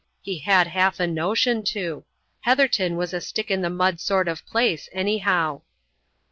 He had half a notion to. Heatherton was a stick in the mud sort of place anyhow.